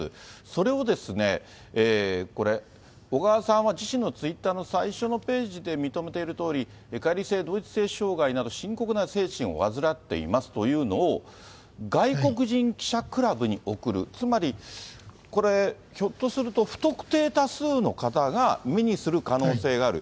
それをこれ、小川さんは自身のツイッターの最初のページで認めているとおり、解離性同一性障害など、深刻な精神を患っていますというのを、外国人記者クラブに送る、つまりこれ、ひょっとすると不特定多数の方が目にする可能性がある。